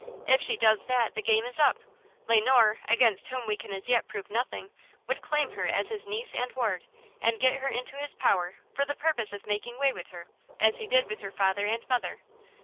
If she does that the game is up. Le Noir, against whom we can as yet prove nothing, would claim her as his niece and ward, and get her into his power for the purpose of making way with her, as he did with her father and mother."